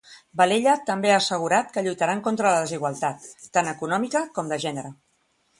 Valella també ha assegurat que lluitaran contra la desigualtat tant econòmica com de gènere.